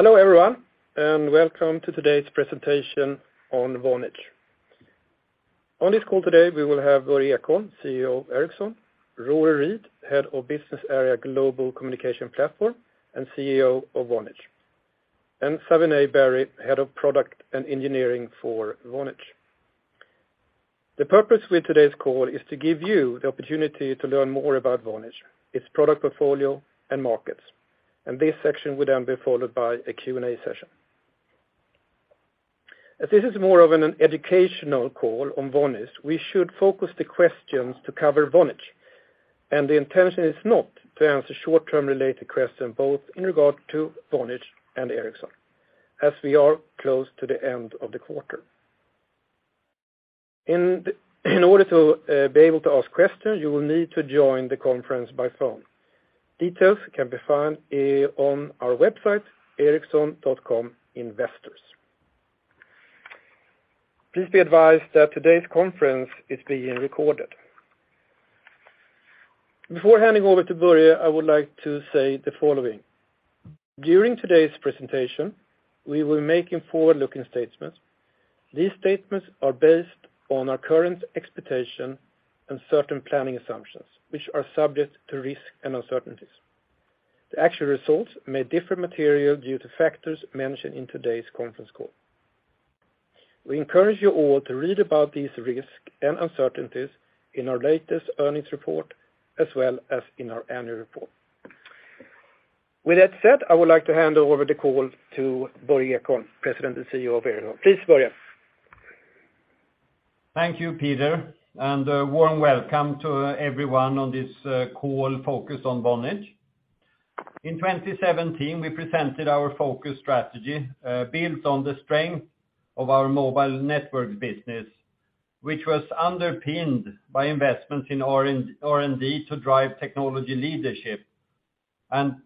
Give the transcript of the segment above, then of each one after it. Hello everyone, and welcome to today's presentation on Vonage. On this call today, we will have Börje Ekholm, CEO of Ericsson, Rory Read, Head of Business Area Global Communications Platform, and CEO of Vonage, and Savinay Berry, Head of Product and Engineering for Vonage. The purpose with today's call is to give you the opportunity to learn more about Vonage, its product portfolio and markets. This section would then be followed by a Q&A session. As this is more of an educational call on Vonage, we should focus the questions to cover Vonage, and the intention is not to answer short-term related questions, both in regard to Vonage and Ericsson, as we are close to the end of the quarter. In order to be able to ask questions, you will need to join the conference by phone. Details can be found on our website, ericsson.com/investors. Please be advised that today's conference is being recorded. Before handing over to Börje, I would like to say the following. During today's presentation, we will be making forward-looking statements. These statements are based on our current expectation and certain planning assumptions, which are subject to risk and uncertainties. The actual results may differ materially due to factors mentioned in today's conference call. We encourage you all to read about these risks and uncertainties in our latest earnings report, as well as in our annual report. With that said, I would like to hand over the call to Börje Ekholm, President and CEO of Ericsson. Please, Börje. Thank you, Peter, and a warm welcome to everyone on this call focused on Vonage. In 2017, we presented our focus strategy, built on the strength of our mobile network business, which was underpinned by investments in R&D to drive technology leadership.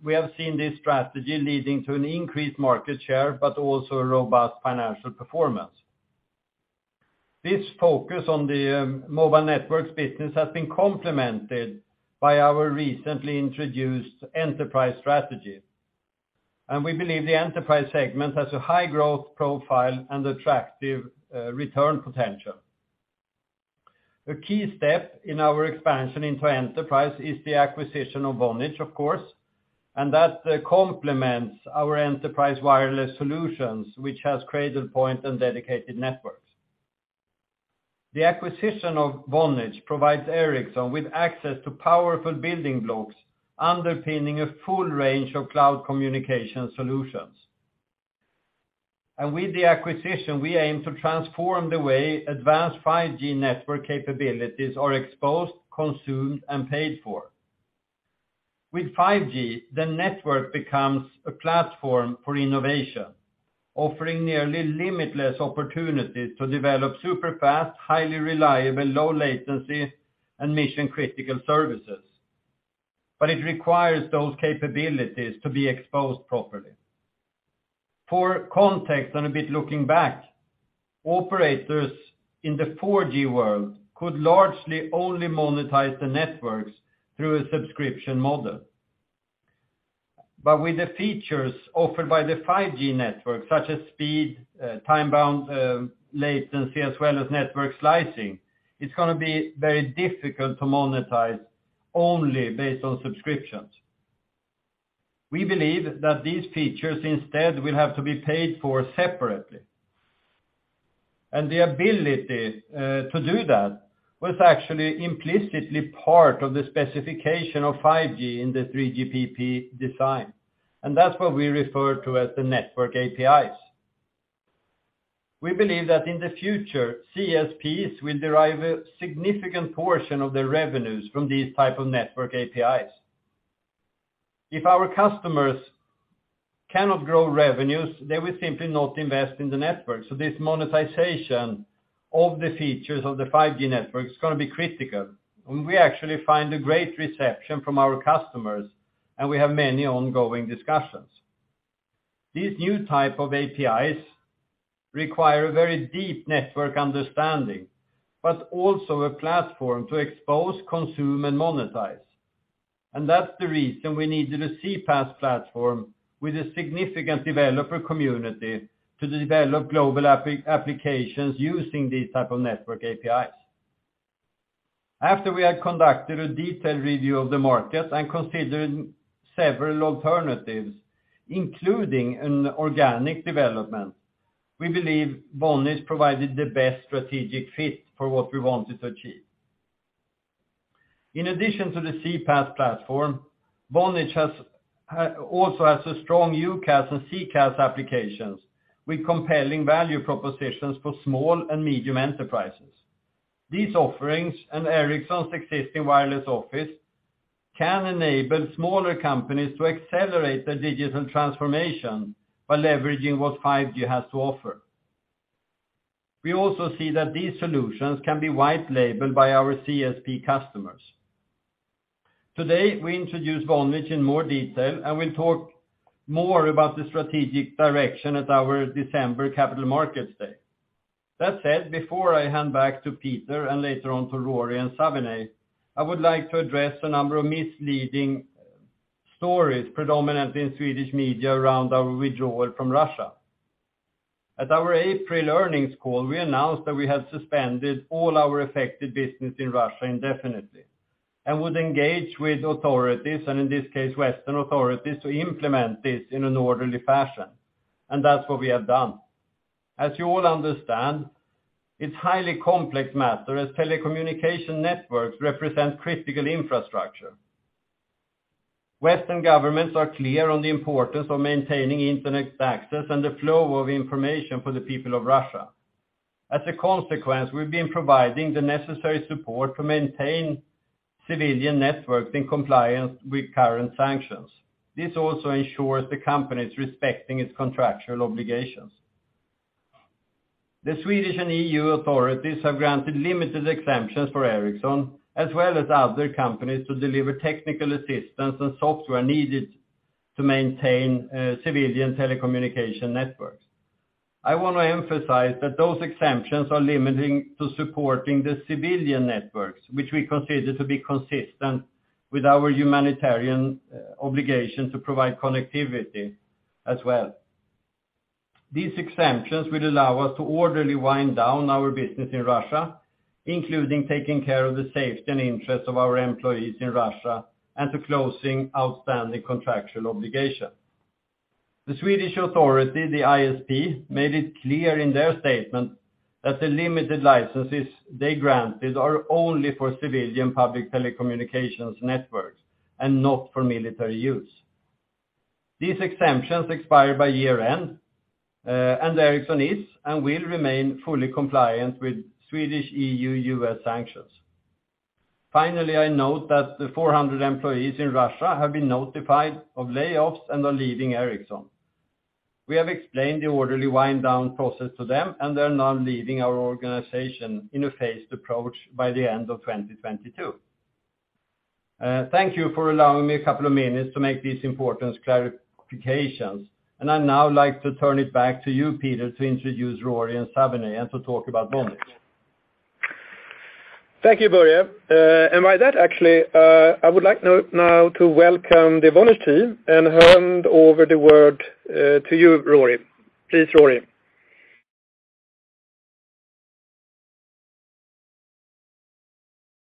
We have seen this strategy leading to an increased market share, but also a robust financial performance. This focus on the mobile networks business has been complemented by our recently introduced enterprise strategy. We believe the enterprise segment has a high growth profile and attractive return potential. A key step in our expansion into enterprise is the acquisition of Vonage, of course, and that complements our enterprise wireless solutions, which has created point and dedicated networks. The acquisition of Vonage provides Ericsson with access to powerful building blocks underpinning a full range of cloud communication solutions. With the acquisition, we aim to transform the way advanced 5G network capabilities are exposed, consumed, and paid for. With 5G, the network becomes a platform for innovation, offering nearly limitless opportunities to develop super fast, highly reliable, low latency, and mission-critical services. It requires those capabilities to be exposed properly. For context, and a bit looking back, operators in the 4G world could largely only monetize the networks through a subscription model. With the features offered by the 5G network, such as speed, time-bound, latency, as well as network slicing, it's gonna be very difficult to monetize only based on subscriptions. We believe that these features instead will have to be paid for separately. The ability to do that was actually implicitly part of the specification of 5G in the 3GPP design, and that's what we refer to as the network APIs. We believe that in the future, CSPs will derive a significant portion of their revenues from these type of network APIs. If our customers cannot grow revenues, they will simply not invest in the network. This monetization of the features of the 5G network is gonna be critical. We actually find a great reception from our customers, and we have many ongoing discussions. These new type of APIs require a very deep network understanding, but also a platform to expose, consume, and monetize. That's the reason we needed a CPaaS platform with a significant developer community to develop global API applications using these type of network APIs. After we had conducted a detailed review of the market and considered several alternatives, including an organic development, we believe Vonage provided the best strategic fit for what we wanted to achieve. In addition to the CPaaS platform, Vonage also has a strong UCaaS and CCaaS applications with compelling value propositions for small and medium enterprises. These offerings and Ericsson's existing Wireless Office can enable smaller companies to accelerate their digital transformation by leveraging what 5G has to offer. We also see that these solutions can be white labeled by our CSP customers. Today, we introduce Vonage in more detail, and we'll talk more about the strategic direction at our December Capital Markets Day. That said, before I hand back to Peter and later on to Rory and Savinay, I would like to address a number of misleading stories, predominantly in Swedish media, around our withdrawal from Russia. At our April earnings call, we announced that we had suspended all our affected business in Russia indefinitely and would engage with authorities, and in this case Western authorities, to implement this in an orderly fashion. That's what we have done. As you all understand, it's highly complex matter as telecommunication networks represent critical infrastructure. Western governments are clear on the importance of maintaining internet access and the flow of information for the people of Russia. As a consequence, we've been providing the necessary support to maintain civilian networks in compliance with current sanctions. This also ensures the company is respecting its contractual obligations. The Swedish and EU authorities have granted limited exemptions for Ericsson as well as other companies to deliver technical assistance and software needed to maintain civilian telecommunication networks. I wanna emphasize that those exemptions are limited to supporting the civilian networks, which we consider to be consistent with our humanitarian obligation to provide connectivity as well. These exemptions will allow us to orderly wind down our business in Russia, including taking care of the safety and interest of our employees in Russia and to closing outstanding contractual obligations. The Swedish Authority, the ISP, made it clear in their statement that the limited licenses they granted are only for civilian public telecommunications networks and not for military use. These exemptions expire by year-end, and Ericsson is and will remain fully compliant with Swedish EU/U.S. sanctions. Finally, I note that the 400 employees in Russia have been notified of layoffs and are leaving Ericsson. We have explained the orderly wind down process to them, and they're now leaving our organization in a phased approach by the end of 2022. Thank you for allowing me a couple of minutes to make these important clarifications. I'd now like to turn it back to you, Peter, to introduce Rory and Savinay, and to talk about Vonage. Thank you, Börje. By that, actually, I would like now to welcome the Vonage team and hand over the word to you, Rory. Please, Rory.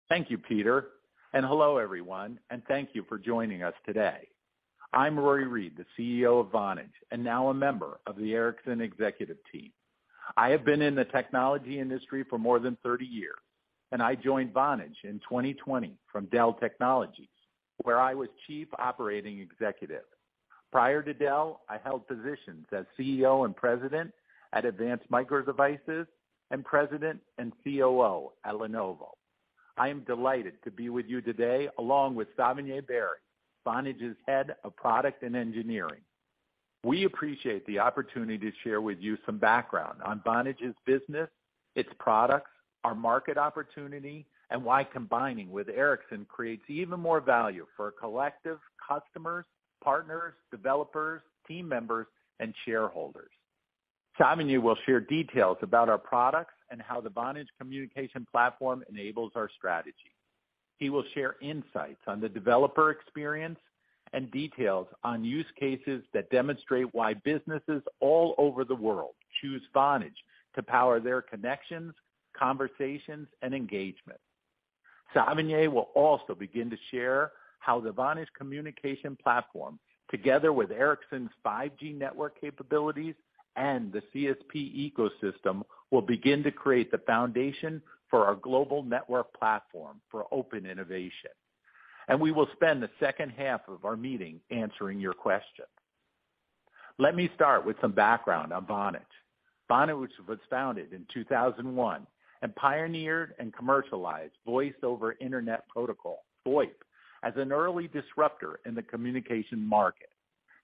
Thank you, Peter. Hello everyone, and thank you for joining us today. I'm Rory Read, the CEO of Vonage, and now a member of the Ericsson executive team. I have been in the technology industry for more than 30 years, and I joined Vonage in 2020 from Dell Technologies, where I was Chief Operating Officer. Prior to Dell, I held positions as CEO and president at Advanced Micro Devices and president and COO at Lenovo. I am delighted to be with you today, along with Savinay Berry, Vonage's Head of Product and Engineering. We appreciate the opportunity to share with you some background on Vonage's business, its products, our market opportunity, and why combining with Ericsson creates even more value for our collective customers, partners, developers, team members, and shareholders. Savinay will share details about our products and how the Vonage Communications Platform enables our strategy. He will share insights on the developer experience and details on use cases that demonstrate why businesses all over the world choose Vonage to power their connections, conversations, and engagement. Savinay Berry will also begin to share how the Vonage Communications Platform, together with Ericsson's 5G network capabilities and the CSP ecosystem, will begin to create the foundation for our global network platform for open innovation. We will spend the second half of our meeting answering your questions. Let me start with some background on Vonage. Vonage was founded in 2001 and pioneered and commercialized Voice over Internet Protocol, VoIP, as an early disruptor in the communication market.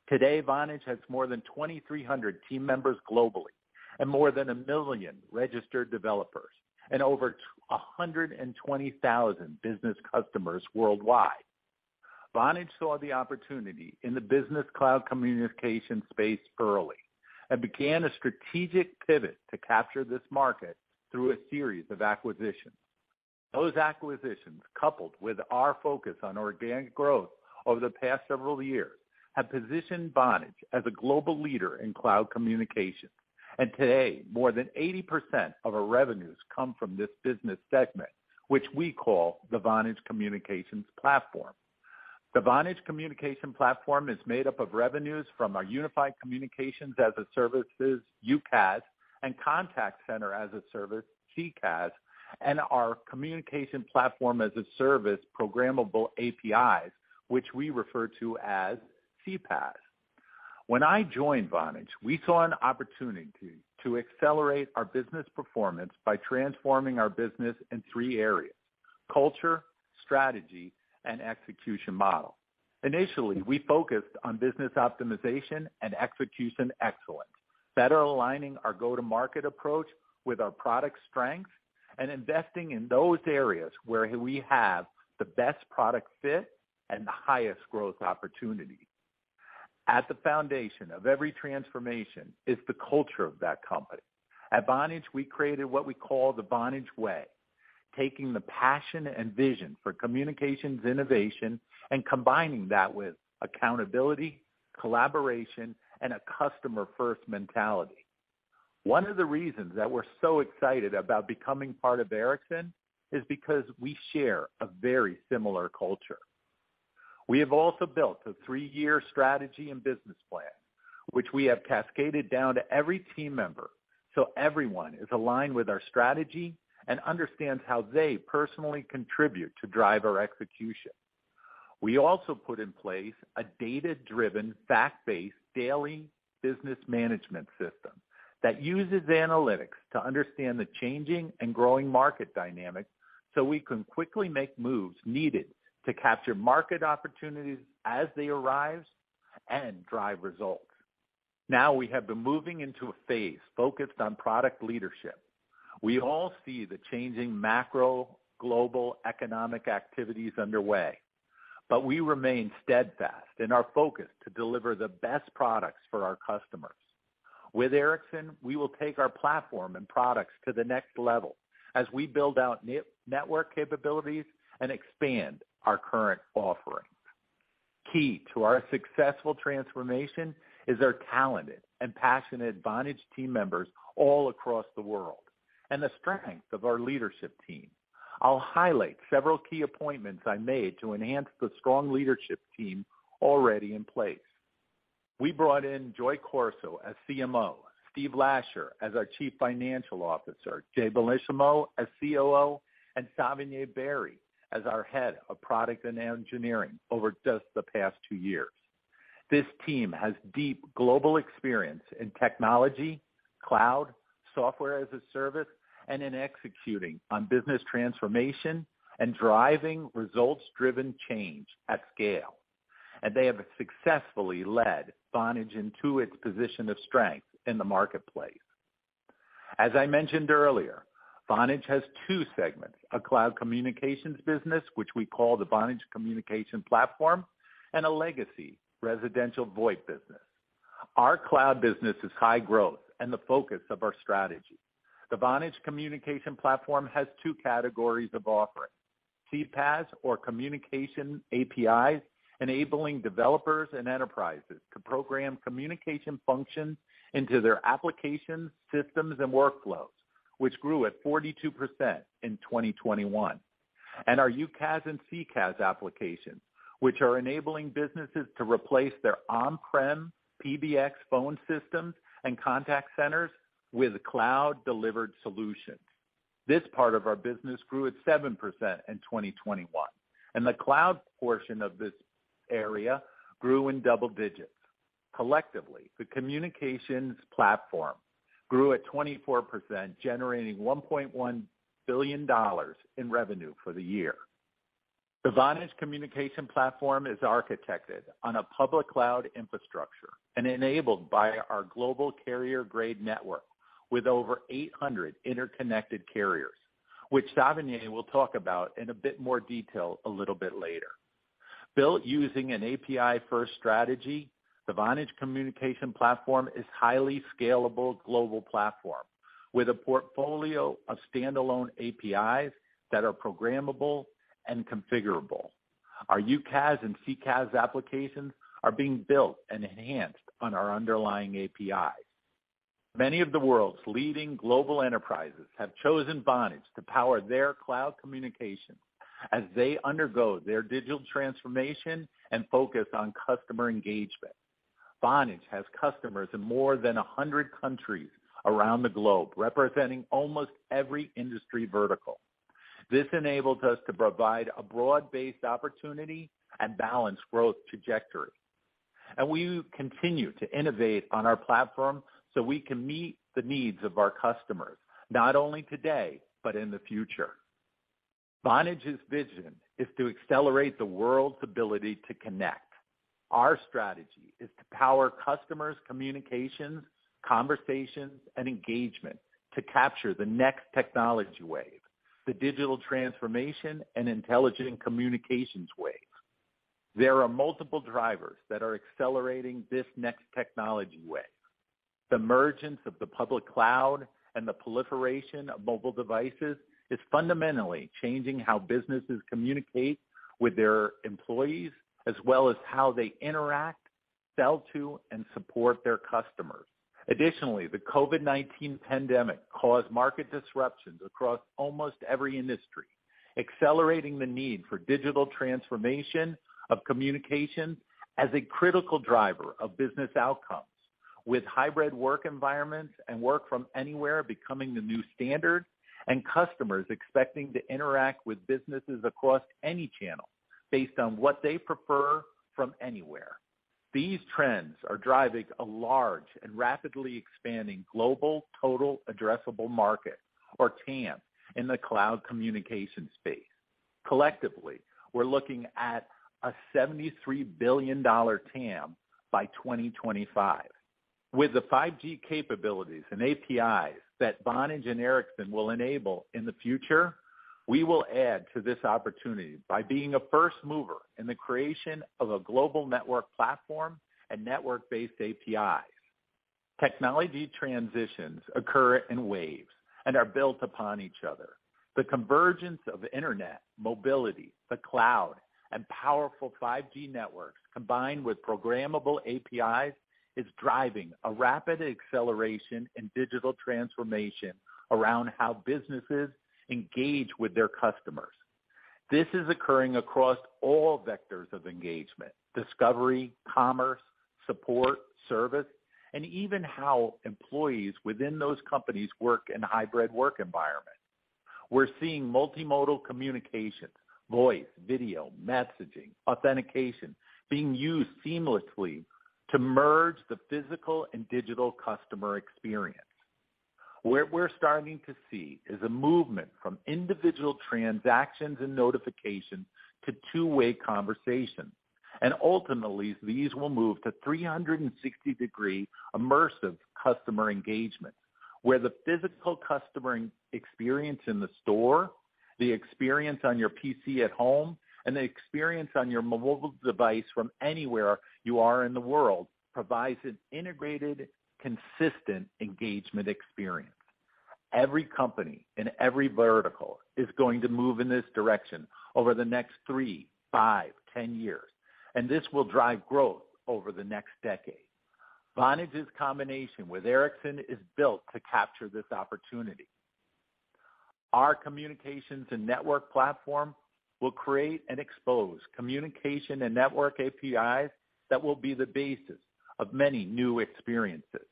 Today, Vonage has more than 2,300 team members globally and more than 1 million registered developers, and over 120,000 business customers worldwide. Vonage saw the opportunity in the business cloud communication space early and began a strategic pivot to capture this market through a series of acquisitions. Those acquisitions, coupled with our focus on organic growth over the past several years, have positioned Vonage as a global leader in cloud communications. Today, more than 80% of our revenues come from this business segment, which we call the Vonage Communications Platform. The Vonage Communications Platform is made up of revenues from our unified communications as a services, UCaaS, and contact center as a service, CCaaS, and our communication platform as a service programmable APIs, which we refer to as CPaaS. When I joined Vonage, we saw an opportunity to accelerate our business performance by transforming our business in three areas, culture, strategy, and execution model. Initially, we focused on business optimization and execution excellence, better aligning our go-to-market approach with our product strength, and investing in those areas where we have the best product fit and the highest growth opportunity. At the foundation of every transformation is the culture of that company. At Vonage, we created what we call the Vonage Way, taking the passion and vision for communications innovation and combining that with accountability, collaboration, and a customer-first mentality. One of the reasons that we're so excited about becoming part of Ericsson is because we share a very similar culture. We have also built a three-year strategy and business plan, which we have cascaded down to every team member, so everyone is aligned with our strategy and understands how they personally contribute to drive our execution. We also put in place a data-driven, fact-based daily business management system that uses analytics to understand the changing and growing market dynamics, so we can quickly make moves needed to capture market opportunities as they arise and drive results. Now we have been moving into a phase focused on product leadership. We all see the changing macro global economic activities underway, but we remain steadfast in our focus to deliver the best products for our customers. With Ericsson, we will take our platform and products to the next level as we build out new network capabilities and expand our current offerings. Key to our successful transformation is our talented and passionate Vonage team members all across the world and the strength of our leadership team. I'll highlight several key appointments I made to enhance the strong leadership team already in place. We brought in Joy Corso as CMO, Stephen Lasher as our Chief Financial Officer, Jay Bellissimo as COO, and Savinay Berry as our head of product and engineering over just the past two years. This team has deep global experience in technology, cloud, software as a service, and in executing on business transformation and driving results-driven change at scale. They have successfully led Vonage into its position of strength in the marketplace. As I mentioned earlier, Vonage has two segments, a cloud communications business, which we call the Vonage Communications Platform, and a legacy residential VoIP business. Our cloud business is high growth and the focus of our strategy. The Vonage Communications Platform has two categories of offerings, CPaaS or communication APIs, enabling developers and enterprises to program communication functions into their applications, systems, and workflows, which grew at 42% in 2021, and our UCaaS and CCaaS applications, which are enabling businesses to replace their on-prem PBX phone systems and contact centers with cloud-delivered solutions. This part of our business grew at 7% in 2021, and the cloud portion of this area grew in double digits. Collectively, the communications platform grew at 24%, generating $1.1 billion in revenue for the year. The Vonage Communications Platform is architected on a public cloud infrastructure and enabled by our global carrier-grade network with over 800 interconnected carriers, which Savinay Berry will talk about in a bit more detail a little bit later. Built using an API-first strategy, the Vonage Communications Platform is highly scalable global platform with a portfolio of standalone APIs that are programmable and configurable. Our UCaaS and CCaaS applications are being built and enhanced on our underlying API. Many of the world's leading global enterprises have chosen Vonage to power their cloud communications as they undergo their digital transformation and focus on customer engagement. Vonage has customers in more than a hundred countries around the globe, representing almost every industry vertical. This enables us to provide a broad-based opportunity and balanced growth trajectory. We continue to innovate on our platform so we can meet the needs of our customers, not only today, but in the future. Vonage's vision is to accelerate the world's ability to connect. Our strategy is to power customers' communications, conversations, and engagement to capture the next technology wave, the digital transformation and intelligent communications wave. There are multiple drivers that are accelerating this next technology wave. The emergence of the public cloud and the proliferation of mobile devices is fundamentally changing how businesses communicate with their employees, as well as how they interact, sell to, and support their customers. Additionally, the COVID-19 pandemic caused market disruptions across almost every industry, accelerating the need for digital transformation of communication as a critical driver of business outcomes, with hybrid work environments and work from anywhere becoming the new standard and customers expecting to interact with businesses across any channel based on what they prefer from anywhere. These trends are driving a large and rapidly expanding global total addressable market, or TAM, in the cloud communication space. Collectively, we're looking at a $73 billion TAM by 2025. With the 5G capabilities and APIs that Vonage and Ericsson will enable in the future, we will add to this opportunity by being a first mover in the creation of a global network platform and network-based APIs. Technology transitions occur in waves and are built upon each other. The convergence of internet mobility, the cloud, and powerful 5G networks, combined with programmable APIs, is driving a rapid acceleration in digital transformation around how businesses engage with their customers. This is occurring across all vectors of engagement, discovery, commerce, support, service, and even how employees within those companies work in a hybrid work environment. We're seeing multimodal communications, voice, video, messaging, authentication being used seamlessly to merge the physical and digital customer experience. What we're starting to see is a movement from individual transactions and notifications to two-way conversations. Ultimately, these will move to 360-degree immersive customer engagement, where the physical customer experience in the store, the experience on your PC at home, and the experience on your mobile device from anywhere you are in the world provides an integrated, consistent engagement experience. Every company in every vertical is going to move in this direction over the next three, five, 10 years, and this will drive growth over the next decade. Vonage's combination with Ericsson is built to capture this opportunity. Our communications and network platform will create and expose communication and network APIs that will be the basis of many new experiences.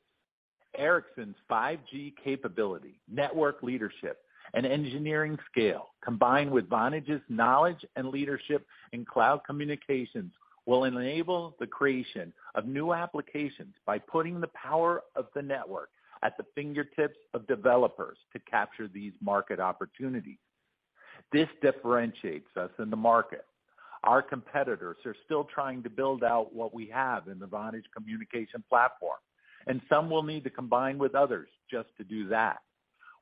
Ericsson's 5G capability, network leadership, and engineering scale, combined with Vonage's knowledge and leadership in cloud communications, will enable the creation of new applications by putting the power of the network at the fingertips of developers to capture these market opportunities. This differentiates us in the market. Our competitors are still trying to build out what we have in the Vonage Communications Platform, and some will need to combine with others just to do that.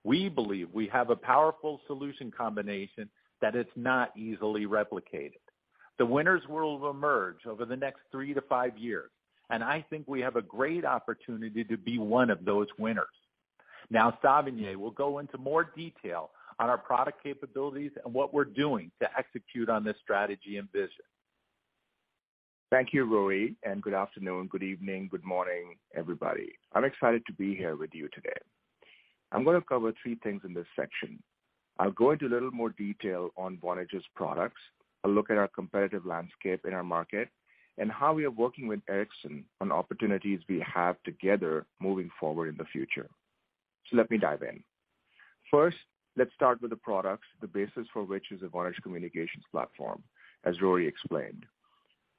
We believe we have a powerful solution combination that is not easily replicated. The winners will emerge over the next three to five years, and I think we have a great opportunity to be one of those winners. Now, Savinay will go into more detail on our product capabilities and what we're doing to execute on this strategy and vision. Thank you, Rory, and good afternoon, good evening, good morning, everybody. I'm excited to be here with you today. I'm going to cover three things in this section. I'll go into a little more detail on Vonage's products, a look at our competitive landscape in our market, and how we are working with Ericsson on opportunities we have together moving forward in the future. Let me dive in. First, let's start with the products, the basis for which is the Vonage Communications Platform, as Rory explained.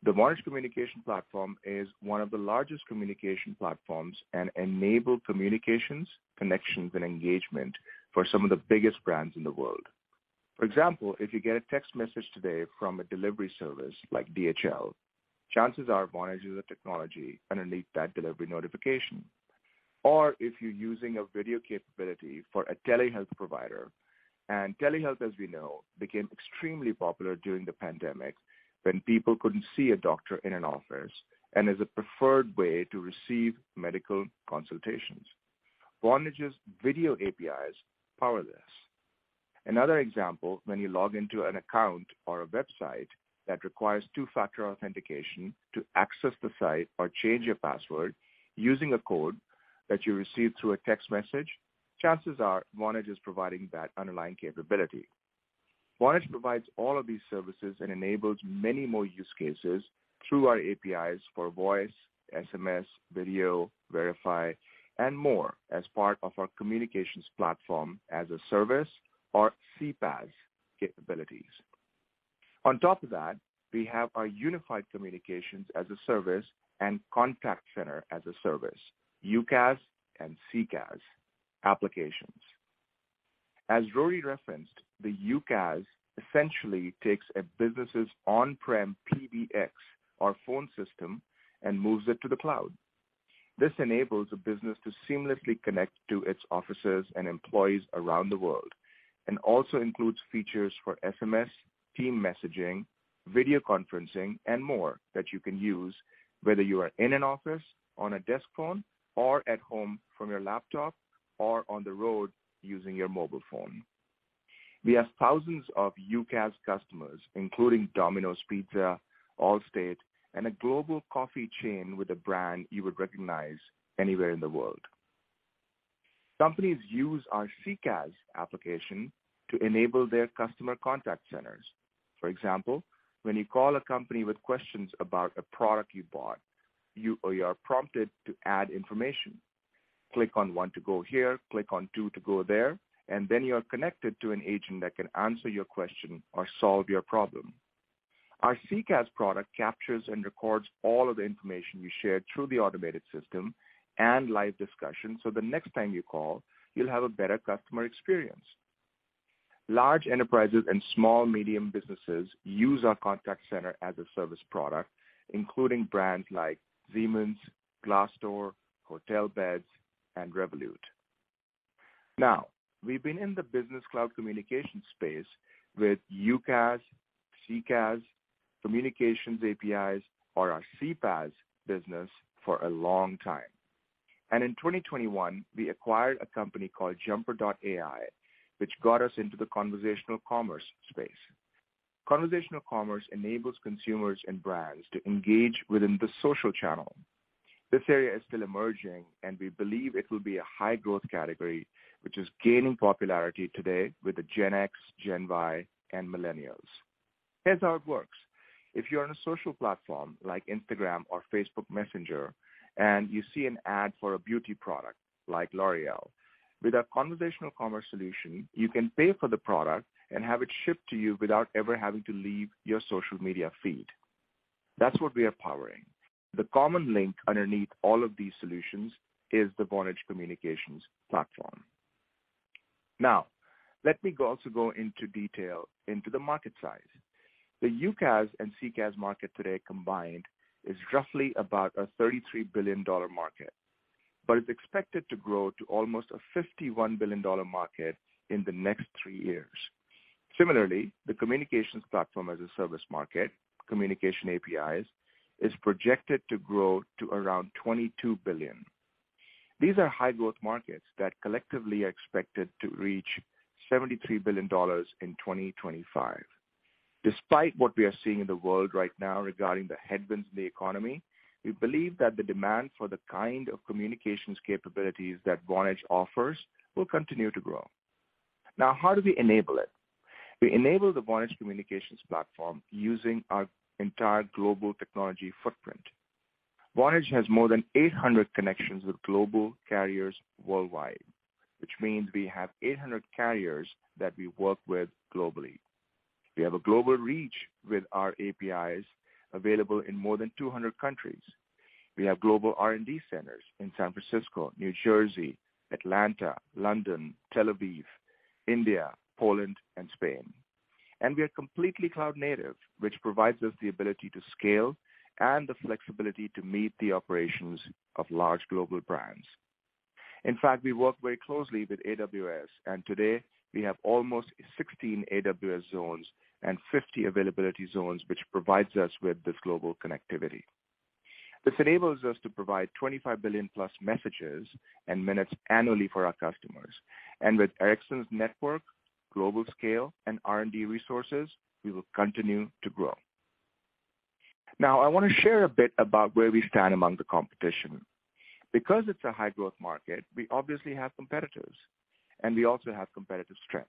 The Vonage Communications Platform is one of the largest communication platforms and enables communications, connections and engagement for some of the biggest brands in the world. For example, if you get a text message today from a delivery service like DHL, chances are Vonage is a technology underneath that delivery notification. If you're using a video capability for a telehealth provider, and telehealth, as we know, became extremely popular during the pandemic when people couldn't see a doctor in an office and is a preferred way to receive medical consultations. Vonage's video APIs power this. Another example, when you log into an account or a website that requires two-factor authentication to access the site or change your password using a code that you receive through a text message, chances are Vonage is providing that underlying capability. Vonage provides all of these services and enables many more use cases through our APIs for voice, SMS, video, verify and more as part of our communications platform as a service or CPaaS capabilities. On top of that, we have our unified communications as a service and contact center as a service, UCaaS and CCaaS applications. As Rory referenced, the UCaaS essentially takes a business's on-prem PBX or phone system and moves it to the cloud. This enables a business to seamlessly connect to its offices and employees around the world, and also includes features for SMS, team messaging, video conferencing and more that you can use whether you are in an office, on a desk phone or at home from your laptop or on the road using your mobile phone. We have thousands of UCaaS customers, including Domino's Pizza, Allstate and a global coffee chain with a brand you would recognize anywhere in the world. Companies use our CCaaS application to enable their customer contact centers. For example, when you call a company with questions about a product you bought, or you are prompted to add information. Click on one to go here, click on two to go there, and then you are connected to an agent that can answer your question or solve your problem. Our CCaaS product captures and records all of the information you shared through the automated system and live discussion, so the next time you call, you'll have a better customer experience. Large enterprises and small medium businesses use our contact center as a service product, including brands like Siemens, Glassdoor, Hotelbeds and Revolut. Now, we've been in the business cloud communication space with UCaaS, CCaaS, communications APIs or our CPaaS business for a long time. In 2021 we acquired a company called Jumper.ai, which got us into the conversational commerce space. Conversational commerce enables consumers and brands to engage within the social channel. This area is still emerging, and we believe it will be a high growth category, which is gaining popularity today with the Gen X, Gen Y and Millennials. Here's how it works. If you're on a social platform like Instagram or Facebook Messenger, and you see an ad for a beauty product like L'Oréal, with our conversational commerce solution, you can pay for the product and have it shipped to you without ever having to leave your social media feed. That's what we are powering. The common link underneath all of these solutions is the Vonage Communications Platform. Now, let me also go into detail into the market size. The UCaaS and CCaaS market today combined is roughly about a $33 billion market, but it's expected to grow to almost a $51 billion market in the next three years. Similarly, the communications platform as a service market, communication APIs, is projected to grow to around $22 billion. These are high growth markets that collectively are expected to reach $73 billion in 2025. Despite what we are seeing in the world right now regarding the headwinds in the economy, we believe that the demand for the kind of communications capabilities that Vonage offers will continue to grow. Now, how do we enable it? We enable the Vonage Communications Platform using our entire global technology footprint. Vonage has more than 800 connections with global carriers worldwide, which means we have 800 carriers that we work with globally. We have a global reach with our APIs available in more than 200 countries. We have global R&D centers in San Francisco, New Jersey, Atlanta, London, Tel Aviv, India, Poland and Spain. We are completely cloud native, which provides us the ability to scale and the flexibility to meet the operations of large global brands. In fact, we work very closely with AWS, and today we have almost 16 AWS zones and 50 availability zones, which provides us with this global connectivity. This enables us to provide 25 billion plus messages and minutes annually for our customers. With Ericsson's network, global scale and R&D resources, we will continue to grow. Now, I want to share a bit about where we stand among the competition. Because it's a high growth market, we obviously have competitors, and we also have competitive strength.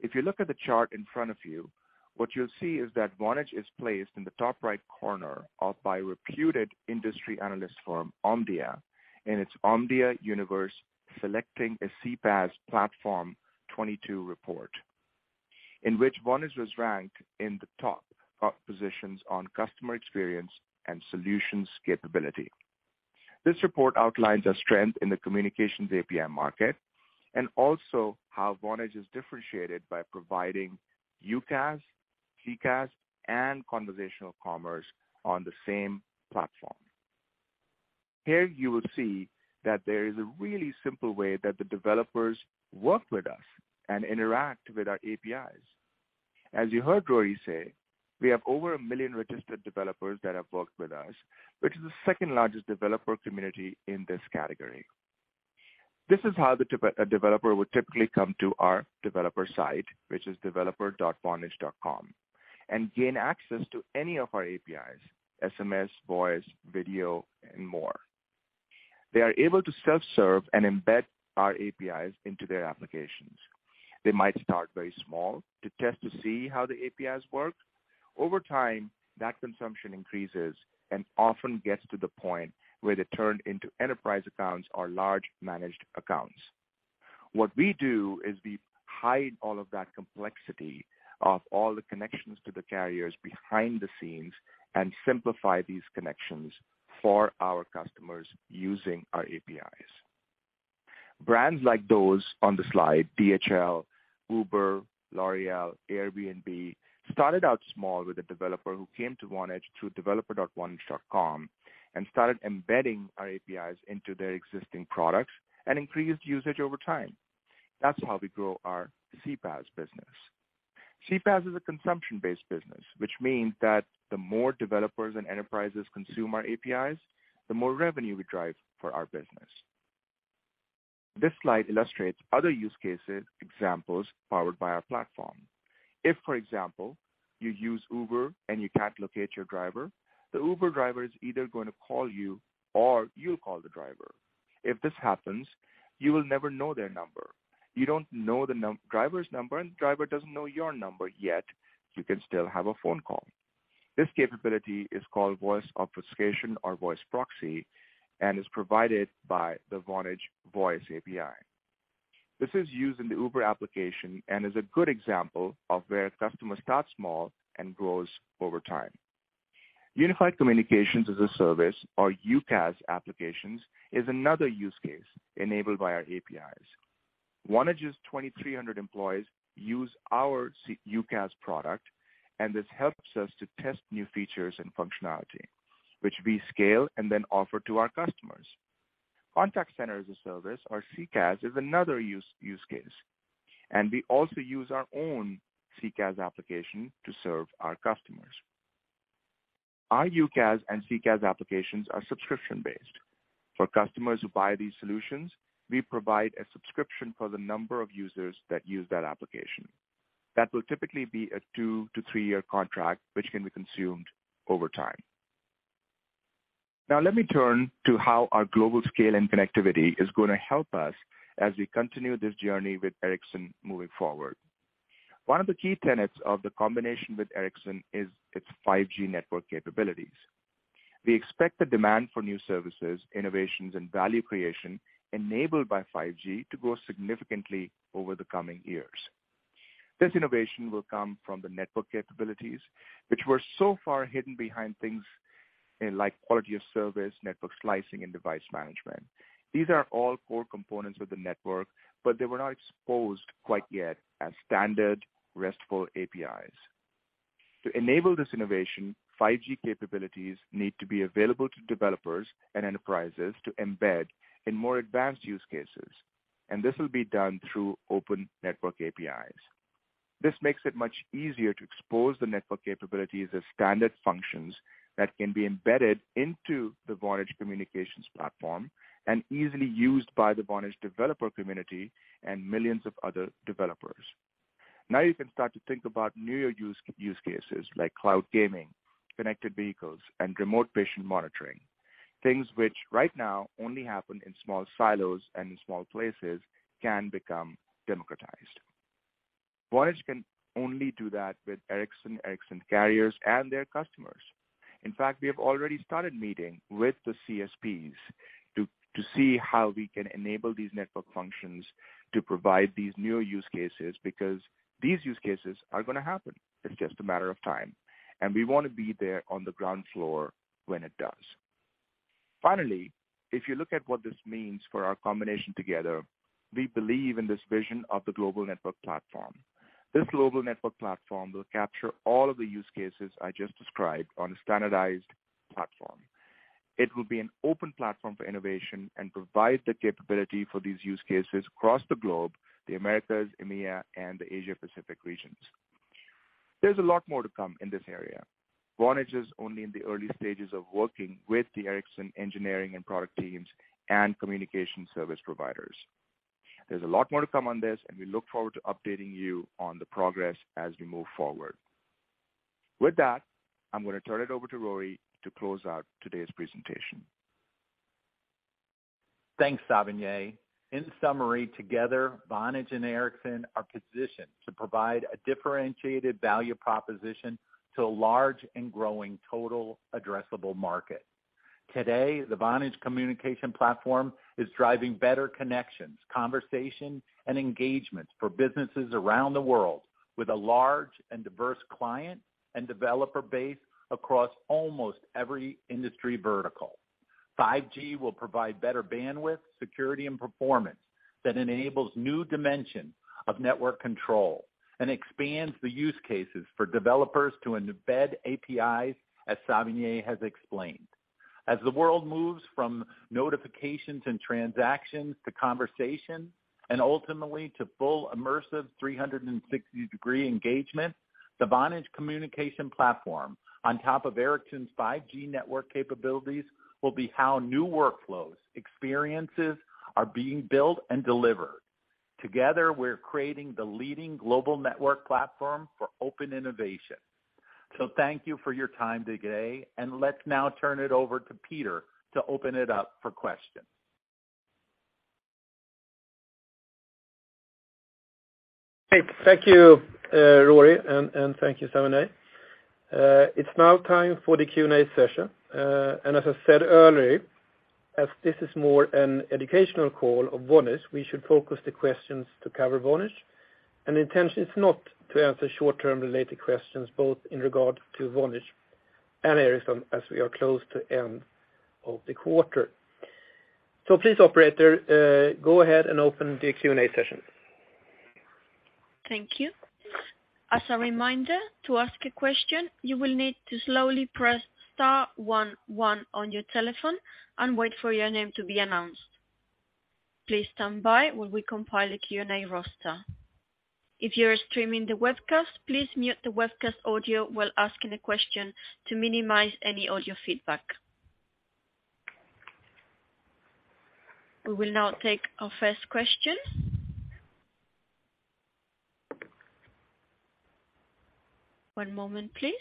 If you look at the chart in front of you, what you'll see is that Vonage is placed in the top right corner by a reputed industry analyst firm Omdia in its Omdia Universe: Selecting a CPaaS Platform 2022 report, in which Vonage was ranked in the top positions on customer experience and solutions capability. This report outlines our strength in the communications API market and also how Vonage is differentiated by providing UCaaS, CCaaS, and conversational commerce on the same platform. Here you will see that there is a really simple way that the developers work with us and interact with our APIs. As you heard Rory say, we have over 1 million registered developers that have worked with us, which is the second-largest developer community in this category. This is how the developer would typically come to our developer site, which is developer.vonage.com, and gain access to any of our APIs, SMS, voice, video and more. They are able to self-serve and embed our APIs into their applications. They might start very small to test to see how the APIs work. Over time, that consumption increases and often gets to the point where they turn into enterprise accounts or large managed accounts. What we do is we hide all of that complexity of all the connections to the carriers behind the scenes and simplify these connections for our customers using our APIs. Brands like those on the slide, DHL, Uber, L'Oréal, Airbnb, started out small with a developer who came to Vonage through developer.vonage.com and started embedding our APIs into their existing products and increased usage over time. That's how we grow our CPaaS business. CPaaS is a consumption-based business, which means that the more developers and enterprises consume our APIs, the more revenue we drive for our business. This slide illustrates other use cases, examples powered by our platform. If, for example, you use Uber and you can't locate your driver, the Uber driver is either going to call you or you'll call the driver. If this happens, you will never know their number. You don't know the driver's number, and the driver doesn't know your number, yet you can still have a phone call. This capability is called voice obfuscation or voice proxy and is provided by the Vonage voice API. This is used in the Uber application and is a good example of where a customer starts small and grows over time. Unified Communications as a Service or UCaaS applications is another use case enabled by our APIs. Vonage's 2,300 employees use our UCaaS product, and this helps us to test new features and functionality, which we scale and then offer to our customers. Contact Center as a Service or CCaaS is another use case, and we also use our own CCaaS application to serve our customers. Our UCaaS and CCaaS applications are subscription-based. For customers who buy these solutions, we provide a subscription for the number of users that use that application. That will typically be a two to three year contract, which can be consumed over time. Now let me turn to how our global scale and connectivity is gonna help us as we continue this journey with Ericsson moving forward. One of the key tenets of the combination with Ericsson is its 5G network capabilities. We expect the demand for new services, innovations, and value creation enabled by 5G to grow significantly over the coming years. This innovation will come from the network capabilities, which were so far hidden behind things like quality of service, network slicing, and device management. These are all core components of the network, but they were not exposed quite yet as standard RESTful APIs. To enable this innovation, 5G capabilities need to be available to developers and enterprises to embed in more advanced use cases, and this will be done through open network APIs. This makes it much easier to expose the network capabilities as standard functions that can be embedded into the Vonage Communications Platform and easily used by the Vonage developer community and millions of other developers. Now you can start to think about newer use cases like cloud gaming, connected vehicles, and remote patient monitoring. Things which right now only happen in small silos and in small places can become democratized. Vonage can only do that with Ericsson carriers, and their customers. In fact, we have already started meeting with the CSPs to see how we can enable these network functions to provide these newer use cases because these use cases are gonna happen. It's just a matter of time, and we wanna be there on the ground floor when it does. Finally, if you look at what this means for our combination together, we believe in this vision of the global network platform. This global network platform will capture all of the use cases I just described on a standardized platform. It will be an open platform for innovation and provide the capability for these use cases across the globe, the Americas, EMEA, and the Asia Pacific regions. There's a lot more to come in this area. Vonage is only in the early stages of working with the Ericsson engineering and product teams and communication service providers. There's a lot more to come on this, and we look forward to updating you on the progress as we move forward. With that, I'm gonna turn it over to Rory to close out today's presentation. Thanks, Savinay. In summary, together, Vonage and Ericsson are positioned to provide a differentiated value proposition to a large and growing total addressable market. Today, the Vonage Communications Platform is driving better connections, conversation, and engagement for businesses around the world with a large and diverse client and developer base across almost every industry vertical. 5G will provide better bandwidth, security, and performance that enables new dimension of network control and expands the use cases for developers to embed APIs, as Savinay has explained. As the world moves from notifications and transactions to conversations and ultimately to full immersive 360-degree engagement, the Vonage Communications Platform on top of Ericsson's 5G network capabilities will be how new workflows, experiences are being built and delivered. Together, we're creating the leading global network platform for open innovation. Thank you for your time today, and let's now turn it over to Peter to open it up for questions. Thank you, Rory, and thank you, Savinay. It's now time for the Q&A session. As I said earlier, as this is more an educational call of Vonage, we should focus the questions to cover Vonage. The intention is not to answer short-term related questions, both in regard to Vonage and Ericsson, as we are close to end of the quarter. Please, operator, go ahead and open the Q&A session. Thank you. As a reminder, to ask a question, you will need to slowly press star one one on your telephone and wait for your name to be announced. Please stand by while we compile a Q&A roster. If you are streaming the webcast, please mute the webcast audio while asking a question to minimize any audio feedback. We will now take our first question. One moment, please.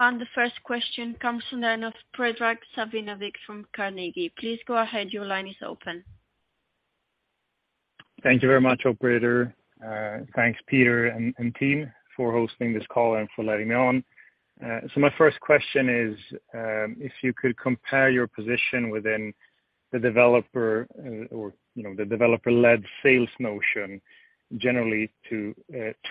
The first question comes from line of Predrag Savinovic from Carnegie. Please go ahead. Your line is open. Thank you very much, operator. Thanks, Peter and team for hosting this call and for letting me on. My first question is, if you could compare your position within The developer, you know, the developer-led sales notion generally to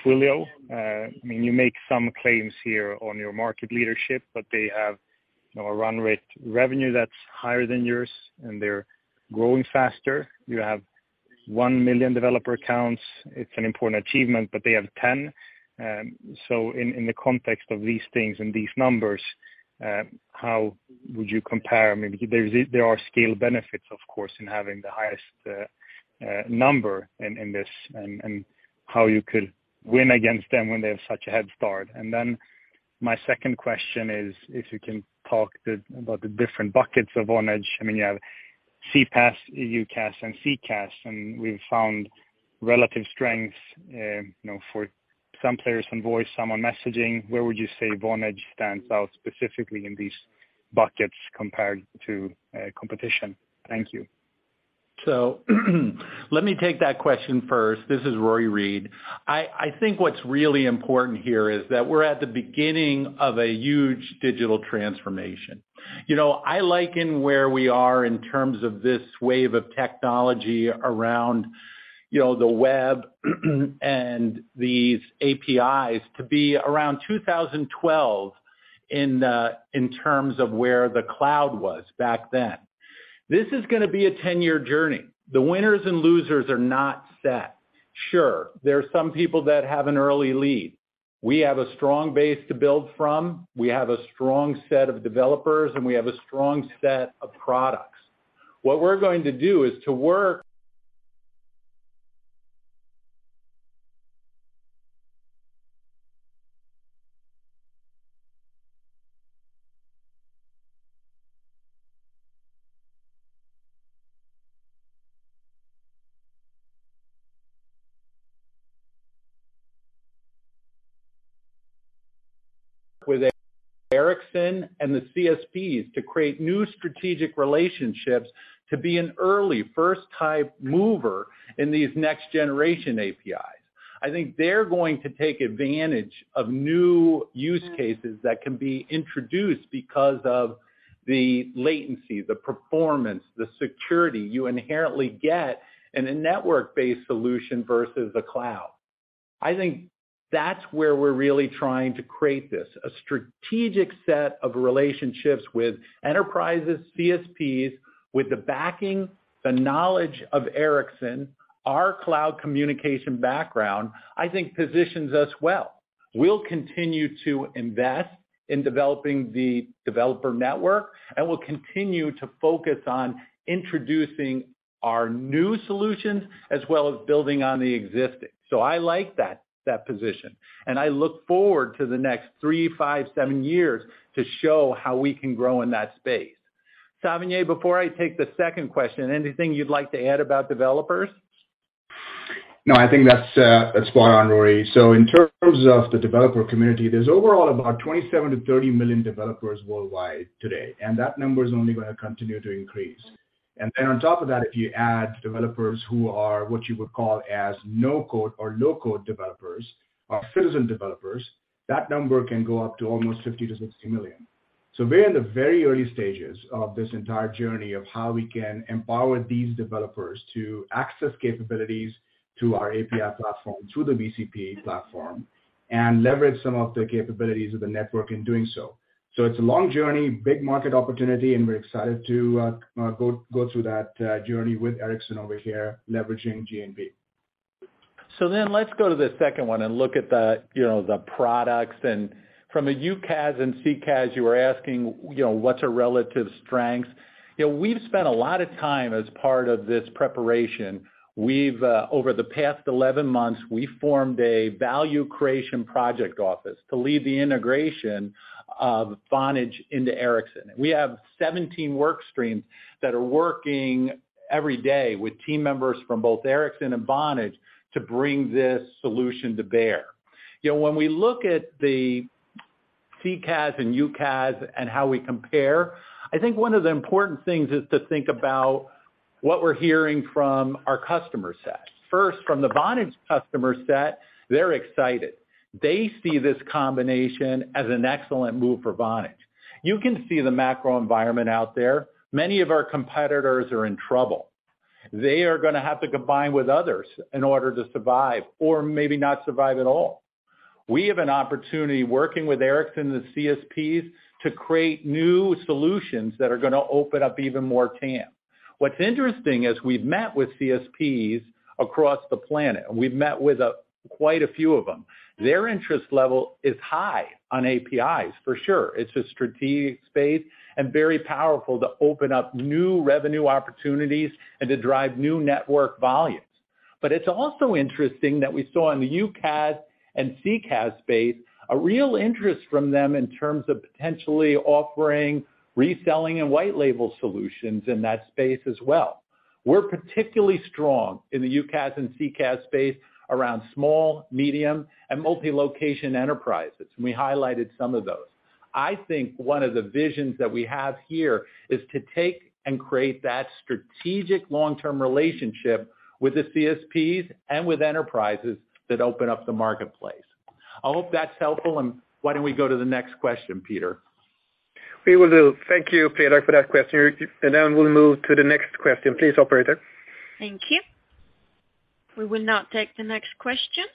Twilio. I mean, you make some claims here on your market leadership, but they have a run rate revenue that's higher than yours, and they're growing faster. You have 1 million developer accounts, it's an important achievement, but they have 10. So in the context of these things and these numbers, how would you compare? I mean, there are scale benefits, of course, in having the highest number in this and how you could win against them when they have such a head start. My second question is if you can talk about the different buckets of Vonage. I mean, you have CPaaS, UCaaS, and CCaaS, and we've found relative strengths, you know, for some players in voice, some on messaging. Where would you say Vonage stands out specifically in these buckets compared to competition? Thank you. Let me take that question first. This is Rory Read. I think what's really important here is that we're at the beginning of a huge digital transformation. You know, I liken where we are in terms of this wave of technology around, you know, the web and these APIs to be around 2012 in terms of where the cloud was back then. This is gonna be a ten-year journey. The winners and losers are not set. Sure, there are some people that have an early lead. We have a strong base to build from. We have a strong set of developers, and we have a strong set of products. What we're going to do is to work with Ericsson and the CSPs to create new strategic relationships to be an early first-mover in these next generation APIs. I think they're going to take advantage of new use cases that can be introduced because of the latency, the performance, the security you inherently get in a network-based solution versus a cloud. I think that's where we're really trying to create this, a strategic set of relationships with enterprises, CSPs, with the backing, the knowledge of Ericsson, our cloud communication background, I think positions us well. We'll continue to invest in developing the developer network, and we'll continue to focus on introducing our new solutions as well as building on the existing. I like that position, and I look forward to the next three, five, seven years to show how we can grow in that space. Savinay Berry, before I take the second question, anything you'd like to add about developers? No, I think that's spot on, Rory. In terms of the developer community, there's overall about 27-30 million developers worldwide today, and that number is only gonna continue to increase. Then on top of that, if you add developers who are what you would call as no-code or low-code developers or citizen developers, that number can go up to almost 50-60 million. We're in the very early stages of this entire journey of how we can empower these developers to access capabilities to our API platform, to the VCP platform, and leverage some of the capabilities of the network in doing so. It's a long journey, big market opportunity, and we're excited to go through that journey with Ericsson over here, leveraging G&V. Let's go to the second one and look at the, you know, the products. From a UCaaS and CCaaS, you were asking, you know, what's our relative strengths. You know, we've spent a lot of time as part of this preparation. We've over the past 11 months, we formed a value creation project office to lead the integration of Vonage into Ericsson. We have 17 work streams that are working every day with team members from both Ericsson and Vonage to bring this solution to bear. You know, when we look at the CCaaS and UCaaS and how we compare, I think one of the important things is to think about what we're hearing from our customer set. First, from the Vonage customer set, they're excited. They see this combination as an excellent move for Vonage. You can see the macro environment out there. Many of our competitors are in trouble. They are gonna have to combine with others in order to survive or maybe not survive at all. We have an opportunity working with Ericsson and the CSPs to create new solutions that are gonna open up even more TAM. What's interesting is we've met with CSPs across the planet, and we've met with, quite a few of them. Their interest level is high on APIs for sure. It's a strategic space and very powerful to open up new revenue opportunities and to drive new network volumes. It's also interesting that we saw in the UCaaS and CCaaS space a real interest from them in terms of potentially offering reselling and white label solutions in that space as well. We're particularly strong in the UCaaS and CCaaS space around small, medium, and multi-location enterprises, and we highlighted some of those. I think one of the visions that we have here is to take and create that strategic long-term relationship with the CSPs and with enterprises that open up the marketplace. I hope that's helpful. Why don't we go to the next question, Peter? We will do. Thank you, Peter, for that question. We'll move to the next question. Please, operator. Thank you. We will now take the next question.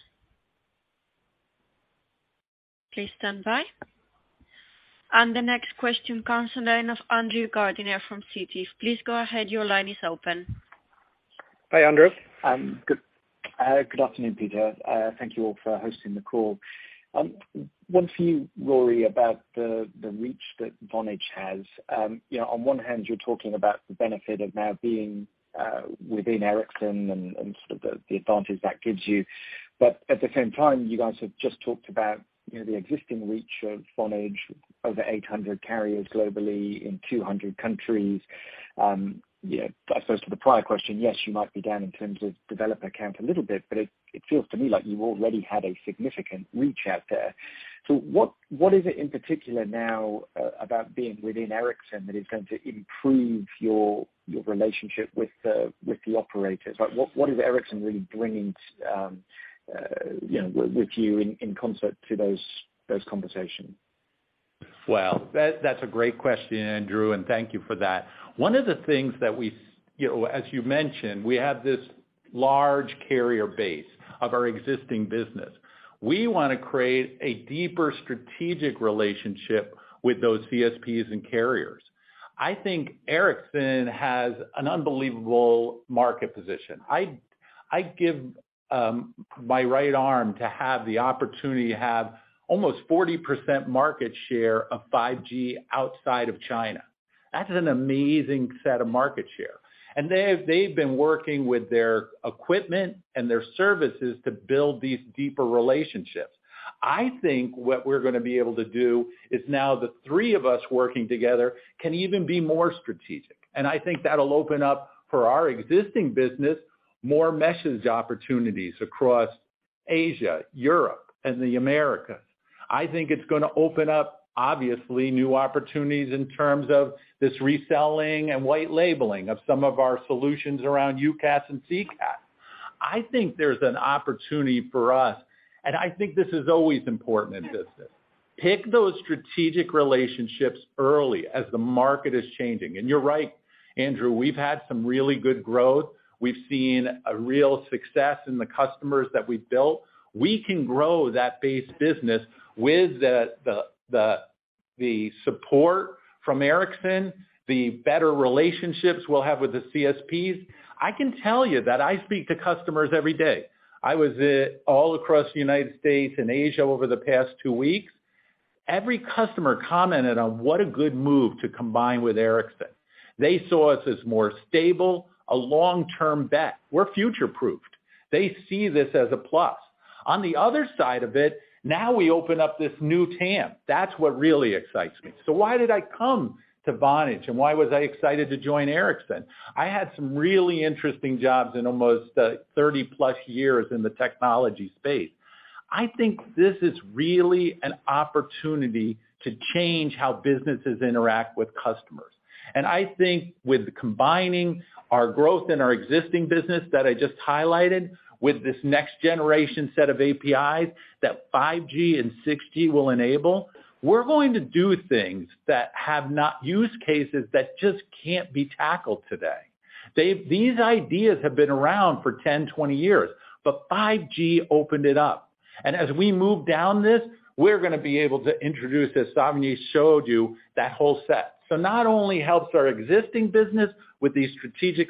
Please stand by. The next question comes in line of Andrew Gardiner from Citi. Please go ahead. Your line is open. Hi, Andrew. Good afternoon, Peter. Thank you all for hosting the call. One for you, Rory, about the reach that Vonage has. You know, on one hand you're talking about the benefit of now being within Ericsson and sort of the advantage that gives you. But at the same time, you guys have just talked about, you know, the existing reach of Vonage, over 800 carriers globally in 200 countries. You know, I suppose to the prior question, yes, you might be down in terms of developer count a little bit, but it feels to me like you already had a significant reach out there. What is it in particular now about being within Ericsson that is going to improve your relationship with the operators? Like, what is Ericsson really bringing, you know, with you in concert to those conversations? That's a great question, Andrew, and thank you for that. You know, as you mentioned, we have this large carrier base of our existing business. We wanna create a deeper strategic relationship with those CSPs and carriers. I think Ericsson has an unbelievable market position. I'd give my right arm to have the opportunity to have almost 40% market share of 5G outside of China. That's an amazing set of market share. They've been working with their equipment and their services to build these deeper relationships. I think what we're gonna be able to do is now the three of us working together can even be more strategic. I think that'll open up, for our existing business, more massive opportunities across Asia, Europe, and the Americas. I think it's gonna open up, obviously, new opportunities in terms of this reselling and white labeling of some of our solutions around UCaaS and CCaaS. I think there's an opportunity for us, and I think this is always important in business, pick those strategic relationships early as the market is changing. You're right, Andrew, we've had some really good growth. We've seen a real success in the customers that we've built. We can grow that base business with the support from Ericsson, the better relationships we'll have with the CSPs. I can tell you that I speak to customers every day. I was all across the United States and Asia over the past two weeks. Every customer commented on what a good move to combine with Ericsson. They saw us as more stable, a long-term bet. We're future-proofed. They see this as a plus. On the other side of it, now we open up this new TAM. That's what really excites me. Why did I come to Vonage, and why was I excited to join Ericsson? I had some really interesting jobs in almost 30+ years in the technology space. I think this is really an opportunity to change how businesses interact with customers. I think with combining our growth in our existing business that I just highlighted with this next generation set of APIs that 5G and 6G will enable, we're going to do things that use cases that just can't be tackled today. These ideas have been around for 10, 20 years, but 5G opened it up. As we move down this, we're gonna be able to introduce, as Savinay Berry showed you, that whole set. Not only helps our existing business with these strategic